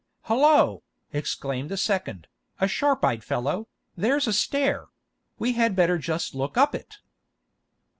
"Hullo!" exclaimed the second, a sharp eyed fellow, "there's a stair; we had better just look up it."